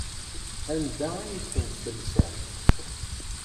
Anda ay tent-telsam?